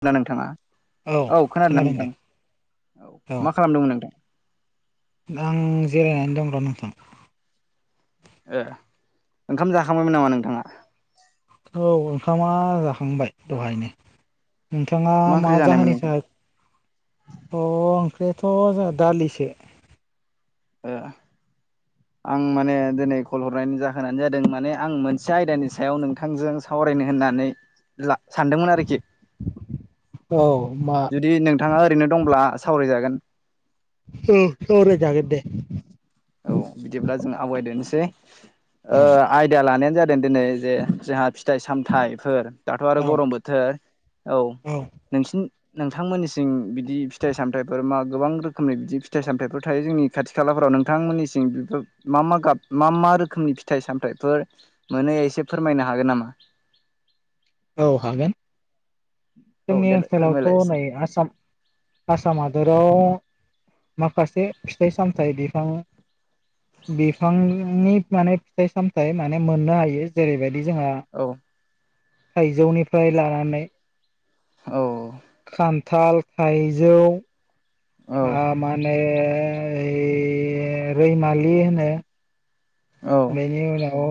खोना नोंथाङा औ खोनादोंना खोनादों दे नोंथां औ मा खालामदोंमोन नोंथां आं जिरायनानो दं र नोंथां ए ओंखाम जाखांबायमोन नामा नोंथाङा औ ओंखामा जाखांबाय दहायनो नोंथाङा मा ओंख्रि जानायमोन जाहोननि नोंथां थाखाय अ ओंख्रियाथ' जोंहा दालिसो ओ आं माने दिनै कल हरनायनि जाहोनानो जादों माने आं मोनसे आयदानि सायाव नोंथांजों सा वरायनो होननानै सानदोंमोन आरोखि औ मा जुदि नोंथाङा ओरैनो दंब्ला सावरायजागोन ओम सावराय जागोन दे औ बिदिब्ला जों आवगायदोनोसै औ आयदा लानायानो जाब दों दिनै जे जोंहा फिथाइ सामथाइफोर दाथ' आरो औ गरम बोथोर औ नोंसिनि नोंथांमोननिसिम बिदि फिथाइ सामथाइफोर मा गोबां रोखोमनि बिदि फिथाइ सामथाइफोर थायो जोंनि खाथि खालाफोराव नों नोंथांमोननिसिम बिबो मा मा गाब मा मा रोखोमनि फिथाइ सामथाइफोर मोनो एसे फोरमायना होनो हागोन नामा औ हागोन औ जोंनि देलाय ओनसोलावथ' फोरमायलाय एसे नै आसाम आसाम हादराव माखासे फिथाइ सामथाइ बिफां बिफांनि माने फिथाइ सामथायाइ माने मोननो हायो जेरैबायदि जोंहा औ थाइजौनिफ्राय लानानै औ खानथाल थाइजौ ओ मा होनो ओइ रैमालि होनो औ औ बेनि उनाव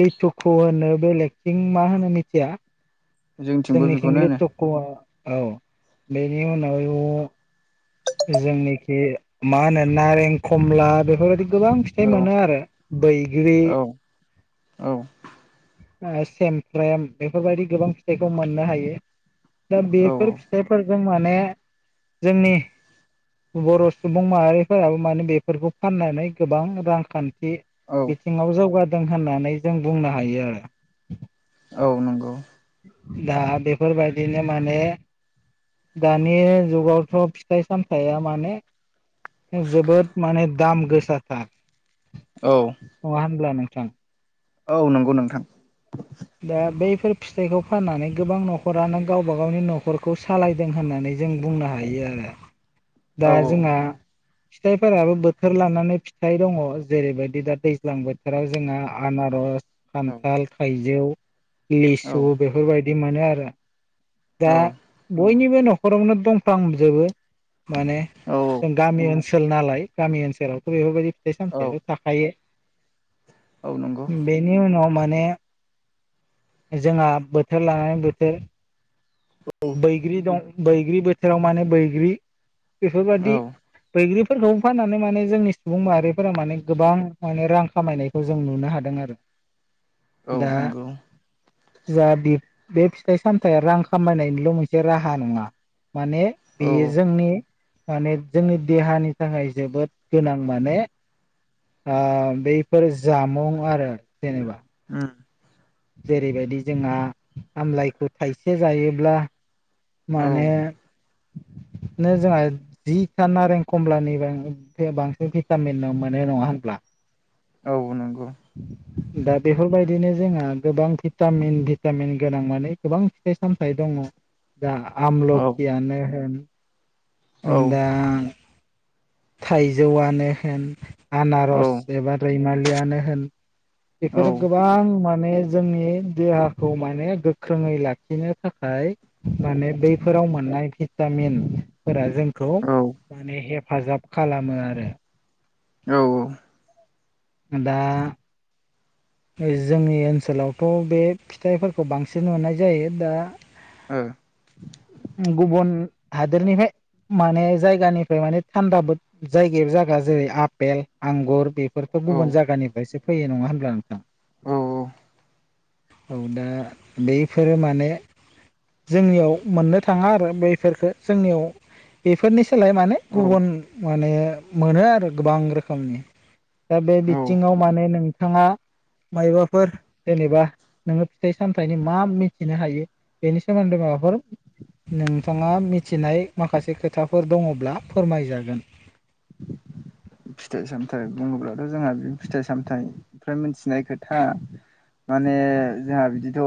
लिथुखु होनो बेलेगथिं मा होनो मिथिया जोंथिंबो जोंनिथिं बेखौनो होनो लिथुखु बुङो औ बेनि उनाव जोंनिखि मा होनो नारें खमला बेफोरबायदि गोबां फिथाइ औ मोनो आरो बैग्रि औ औ सेमफ्रेम बेफोरबायदि गोबां फिथाइखौ मोननो हायो दा औ बेफोर फिथाइफोरजों माने जोंनि बर' सुबुं माहारिफोराबो माने बेफोरखौ फाननानै गोबां रांखान्थि औ औ बिथिङाव जौगादों होननानै जों बुंनो हायो आरो औ नंगौ दा बेफोरबायदिनो माने दानि जुगावथ' फिथाइ सामथाइया माने जोबोद माने दाम गोसाथार औ नङा नोंथां औ नंगौ नोंथां दा बैफोर फिथाइखौ फाननानै गोबां नखरानो गावबा गावनि नखरखौ सालायदों होननानै जों बुंनो हायो आरो दा औ जोंहा फिथाइफोराबो बोथोर लानानै फिथाइ दङ जेरैबायदि दा दैज्लां बोथोराव जोंहा आना रज औ खान्थाल थाइजौ औ लिसु बेफोरबायदि मोनो आरो। दा औ बयनिबो न'खरावनो दंफांजोबो माने। औ जों गामि ओनसोल नालाय गामि ओनसोलावथ' बेफोरबायदि फिथाइ औ सामथायाइाथ' थाखायो। औ नंगौ बेनि उनाव माने जोंहा बोथोर लानानै बोथोर औ बैग्रि दं बैग्रि बोथोराव माने बैग्रि बेफोरबादि औ बैग्रिफोरखौ फाननानै माने जोंनि सुबुं माहारिफोरा माने गोबां माने रां खामायनायखौ जों नुना। हादों आरो। औ दा नंगौ जा बे फिथाइ सामथाइया रां खामायनायनि बेल' मोनसे राहा नङा माने औ बेयो जोंनि माने जोंनि देहानि थाखाय जोबोद गोनां माने। ओ बैफोर जामुं आरो जेनेबा उम जेरैबायदि जोंहा आमलाइखौ थाइसे जायोब्ला। औ माने बिदिनो जोंहा जिथा नारें खमलानि बांसिन भिटामिन मोनो नङा होनब्ला औ नंगौ। दा बेफोरबायदिनो जोंहा गोबां भिटामिन भिटामिन गोनां माने गोबां फिथाइ सामथायाइ दं। दङ दा औ आमलखियानो होन औ जों दा थाइजौआनो होन औ आनारस एबा रैमालिआनो होन औ बेफोरो गोबां माने जोंनि देहाखौ माने गोख्रोङै लाखिनो थाखाय। माने बैफोराव मोननाय भिटामिन फोरा जोंखौ ओ औ माने हेफाजाब खालामो आरो। औ दा जोंनि ओनसोलावथ' बे फिथाइफोरखौ बांसिन नुनाय जायो दा गुबुन हादोरनिफ्राय माने जायगानिफ्राय माने थान्दा जायगायाव जायगा जेरै आफपेल आंगुर बेफोरफोरखौ। गुबुन जायगानिफ्रायसो फैयो नङा होनब्ला नोंथां। औ औ दा बेफोरो माने जोंनियाव मोननो थाङा आरो बैफोरफोरखौ जोंनियाव बेफोरनि सोलाय माने गुबुन माने मोनो आरो गोबां रोखोमनि। दा बे औ बिथिङाव माने नोंथाङा मायबाफोर जेनेबा नोङो फिथाइ सामथायाइनि मा मिथिनो हायो। बेनि सोमोन्दै माबाफोर नोंथाङा मिथिनाय माखासे खोथाफोर दङब्ला फोरमायजागोन। [unintelligible] फिथाइ सामथायाइ बुङोब्लाथ' जोंहा बे फिथाइ सामथायाइनिफ्राय मिथिनाय खोथा। माने जोंहा बिदिथ'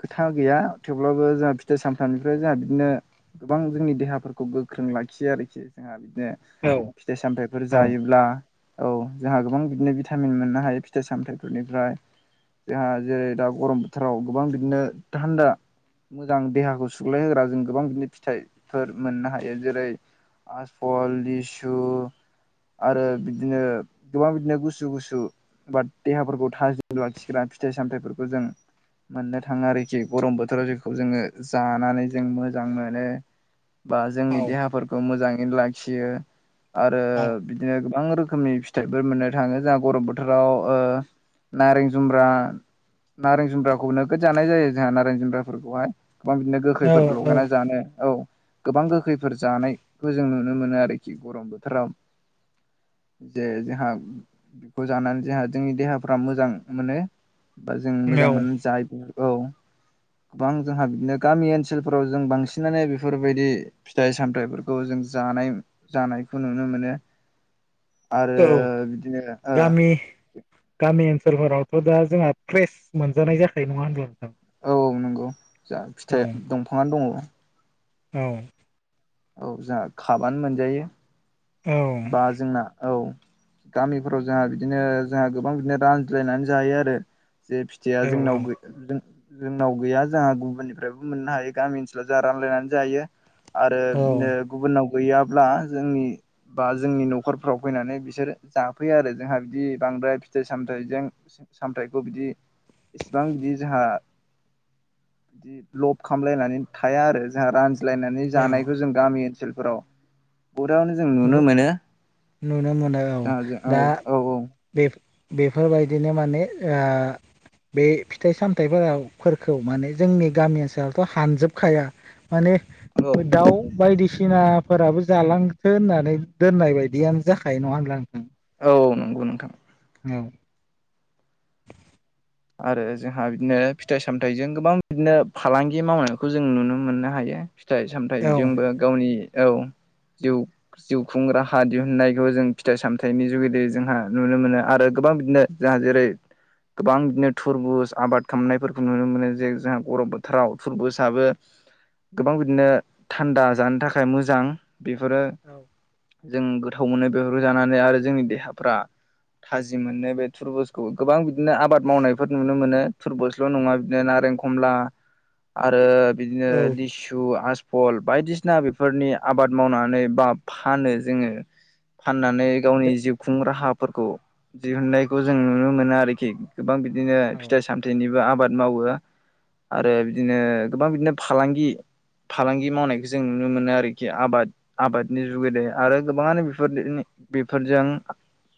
खोथा गैया थेवब्लाबो जोंहा फिथाइ सामथामनिफ्राय जोंहा बिदिनो गोबां जोंनि देहाफोरखौ गोख्रों लाखियो आरोखि जोंहा बिदिनो औ फिथाइ सामथायाइफोर जायो। औ जोंहा गोबां बिदिनो भिटामिन मोननो हायो फिथाइ सामथायाइफोरनिफ्राय। जोंहा जेरै दा गरम बोथोराव गोबां बिदिनो थान्दा। मोजां देहाखौ सुग्लाय होग्रा जों गोबां बिदिनो फिथाइफोर मोननो हायो जेरै आसफल लिसु। आरो बिदिनो गोबां बिदिनो गुसु गुसु बा देहाफोरखौ थाजिमज्ञलाखिग्रा फिथाइ। सामथाफोरखौ जों मोननो थाङो आरोखि गरम बोथोराव जेखौ जोङो जानानै जों मोजां मोनो। बा जोंनि देहाफोरखौ मोजाङै लाखियो आरो। औ बिदिनो गोबां रोखोमनि फिथाइफोर मोननो थाङो जोंहा गरम बोथोराव। नारें जुम्ब्रा नारें जुम्ब्राखौ नोगोद जानाय जायो जोंहा नारें जुम्ब्राफोरखौहाय गोबां बिदिनो औ गोखैफोर लगायना जानो औ। गोबां गोखैफोर जानायखौ जों नुनो मोनो आरोखि गरम बोथोराव। [unintelligible] जे जोंहा बेखौ जानानै जोंहा जोंनि देहाफ्रा मोजां मोनो बा जों मोजां मोनो जायो। [unintelligible] गोबां जोंहा बिदिनो गामि ओनसोलफोराव जों बांसिनानो बेफोरबायदि फिथाइ सामथायाइफोरखौ जों। जानाय जानायखौ नुनो मोनो।। आरो औ बिदिनो ओ गामि गामि ओनसोल गामिफोरावथदा जोंहा फ्रेस मोनजानाय जाखायो नङा होनब नोंथां। औ नंगौ जहा औ फिथाइ दंफाङानो दङ। औ। औ जोंहा खाबानो मोनजायो। औ बा जोंना औ। गामिफोराव जोंहा बिदिनो जोंहा गोबां बिदिनो रानज्लायनानै जायो आरो जे फिथाइया औ जोंनाव जोंनाव गैया जोंहा गुबुननिफ्रायबो मोननो हायो गामि ओनसोलाव जोंहा रानलायनानै जायो। आरो औ बिदिनो गुबुनाव गैयाब्ला जोंनि। बा जोंनि न'खरफ्राव फैनानै बिसोर जाफैयो आरो जोंहा बिदि बांद्राय फिथाइ सामथायाइजों। सामथायखौ बिदि इसेबां बिदि जोंहा। बिदि लब खालामलायनानै थाया आरो जों रान लायनानै औ जानायखौ जों गामि ओनसोलफोराव जों नुनो मोनो नुनो मोनो औ जोंहा जों औ दा औ बे बेफोर बायदिनो माने बे फिथाइ सामथायाइफोरखौ माने जोंनि गामि ओनसोलावथ' हानजोबखाया। माने औ दाउ बायदिसिनाफोराबो जालां। थो होननानै दोननाय बायदियानो जाखायो नङा होनब्ला नोंथां। औ नंगौ नोंथां। औ। आरो जोंहा बिदिनो फिथाइ सामथाइजों गोबां बिदिनो फालांगि मावनायखौ जों नुनो मोननो हायो। फिथाइ औ सामथाइजोंबो गावनि औ। जिउ खुं राहा दिहुननायखौ जों फिथाइ सामथाइनि जुगिदियै जोंहा नुनो मोनो आरो। गोबां बिदिनो जोंहा जेरै गोबां। बिदिनो थुरबुज आबाद खालामनायफोरखौ नुनो मोनो जे जोंहा गरम बोथाराव थुरबुजाबो। गोबां बिदिनो थान्दा जानो थाखाय मोजां बेफोरो औ जों गोथाव मोनो बेफोरखौ जानानै आरो जोंनि देहाफ्रा। थाजि मोनो बे थुरबुजखौ गोबां बिदिनो आबाद। मावनायफोर नुनो मोनो तुरबसल' नङा बिदिनो नारें खमला आरो। बिदिनो औ लिसु आस फल बायदिसिना बेफोरनि आबाद मावनानै बा फानो जोङो। फाननानै गावनि दे जिउ खुं राहाफोरखौ दिहुननायखौ जों नुनो मोनो आरोखि। गोबां बिदिनो औ फिथाइ सामथाइनिबो आबाद मावो। आरो बिदिनो गोबां बिदिनो फालांगि फालांगि मावनायखौ जों नुनो मोनो आरोखि आबाद आबादनि जुगेदै आरो गोबाङानो बेफोरनो। बेफोरजों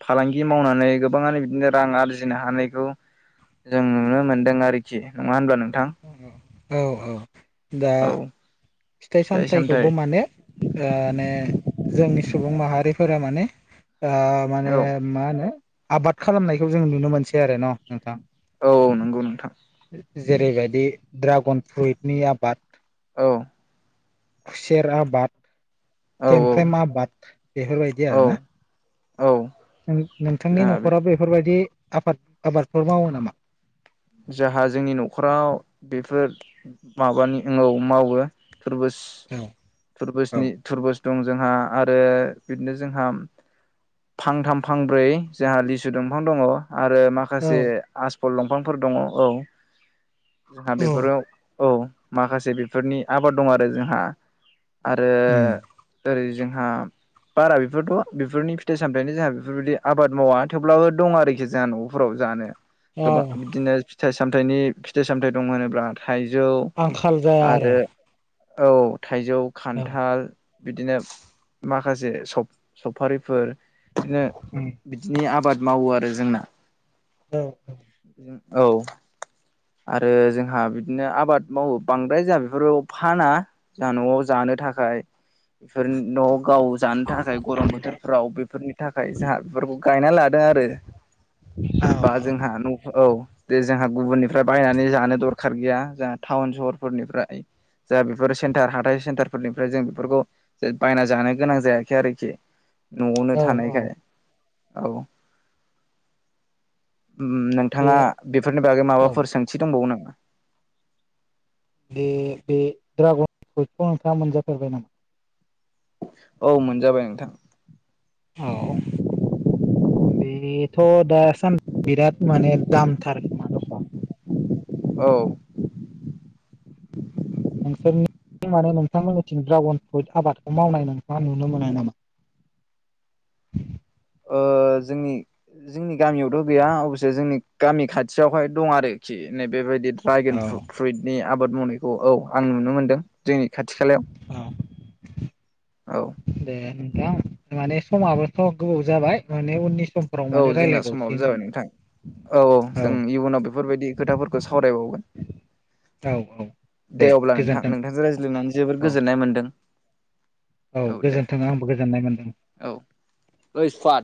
फालांगि मावनानै गोबाङानो बिदिनो रां आरजिनो हानायखौ। जों नुनो मोनदों आरोखि नङा होनबा नों औ औ दा औ फिथाइ सामथाइखौबो माने माने जोंनि सुबुं माहारिफोरा माने। माने औ मा होनो आबाद खालामनायखौ जों नुनो मोनसै आरो न' नोंथां। औ औ नंगौ नोंथां जेरैबायदि ड्रागन फ्रुइटनि आबाद। औ खुसेेर आबाद। औ सेमफ्रेम आबाद बेफोरबायदि औ आरोना‌। औ नोंथांनि जोंहा बे न'खरा बेफोरबायदि आफाद आबादफोर मावो नामा? जाहा जोंनि न'खराव बेफोर माबानि उनाव मावो। थुरबुस औ औ थुरबुसनि थुरबुस। दं जोंहा आरो बिदिनो जोंहा। फांथाम फांब्रै जोंहा लिसु दंफां दङ। आरो माखासे आसफल दंफांफोर दङ औ जोंहा औ बेफोराव। औ माखासे बेफोरनि आबाद दं आरो जोंहा आरो ओरै जों हा बारा बेफोरथ' बेफोरनि फिथाइ सामथाइनि जोंहा बेफोरबायदि आबाद मावा थेवब्लाबो दं आरोखि जोंहा न'फोराव जानो। गोबां औ। बिदिनो फिथाइ सामथाइनि फिथाइ सामथाइ दं होनोब्ला थाइजौ आंखाल जाया आरो। औ थाइजौ खान्थाल बिदिनो माखासे सफारिफोर बिदिनो बिदिनो आबाद मावो आरो जोंना। औ। औ। आरो जोंहा बिदिनो आबाद मावो बांद्राय जोंहा बेफोरखौ फाना जोंहा न'आव जानो। थाखाय बेफोर न' गाव जानो थाखाय गरम बोथोरफ्राव बेफोरनि थाखाय जोंहा बेफोरखौ गायना लादों आरो। बा औ जोंहा न औ बजै जोंहा गुबुननि फ्राय बायनानै जानो दरखार गैया जोंहा टाउन सहरफोरनिफ्राय। जा बेफोर सेन्टार हाथाइ सेन्टारफोरनिफ्राय जों बेफोरखौ बायना जानो गोनां जायाखै आरोखि न'आवनो औ थानायखाय औ। बे नोंथाङा बेफोरनि बागै औ माबा। दंबावो नामा बे बे दड्रागन फ्रुइटखौ नोंथाङा मोनजाफेरबाय नामा औ मोनजाबाय नोंथां। औ। बेथ दासान बिराद माने दामथारखोमा दख औ नोसोरनि आं माने नोंथांमोननिथिं ड्रागन फ्रुइट आबादखौ मावनाय नोंथाङा नुनो मोननाय नामा? [inaudible] ओ जोंनि जोंनि गामियावथ गैया अबसे जोंनि गामि खाथियावहाय दं आरोखि। बेबायदि औ ड्रागोनु फ्रुइटनि आबाद मावनायखौ औ आं नुनो मोनदों जोंनि खाथि खालायाव औ। ए नोंथां माने समाबोथ गोबाव जाबाय माने उननि समफोराव औ माने जोंना समावो रायलायबावसिगोन जाबाय नोंथां औ औ जों इयुनाव बेफोरबायदि खोथाफोरखौ सावरायबावगोन औ औ दे अब्ला नोंथां नोंथांजों रायज्लोंनानै जबोर औ गोजोननाय मोनदों। औ गोजोन्थों आंबो गोजोननाय मोनदों। औ ओइ सुफाद